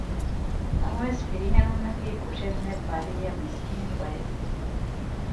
ނަމަވެސް ފިރިހެނުންނަކީ ކުށެއްނެތް ބަރީއަ މިސްކީނު ބަޔެއް